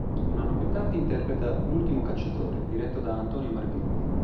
Un anno più tardi interpreta "L'ultimo cacciatore" diretto da Antonio Margheriti.